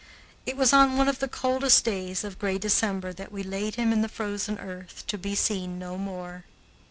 It was on one of the coldest days of gray December that we laid him in the frozen earth, to be seen no more.